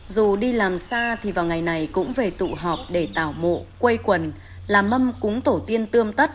dù đi làm xa thì vào ngày này cũng về tụ họp để tảo mộ quây quần làm mâm cúng tổ tiên tươm tất